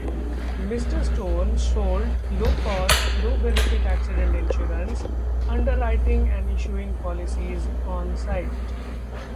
Mr. Stone sold low-cost, low-benefit accident insurance, underwriting and issuing policies on-site.